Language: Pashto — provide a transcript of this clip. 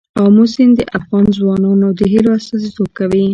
آمو سیند د افغان ځوانانو د هیلو استازیتوب کوي.